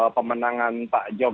pemenangan pak jokowi